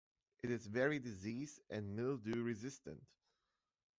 It is very disease and mildew resistant.